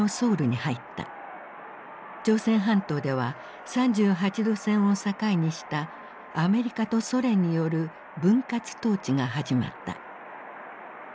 朝鮮半島では３８度線を境にしたアメリカとソ連による分割統治が始まった。